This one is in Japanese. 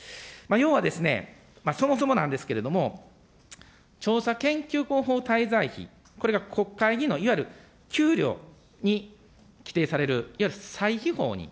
要は、そもそもなんですけれども、調査研究広報滞在費、これが国会議員のいわゆる給料に規定される、いわゆる歳費法に、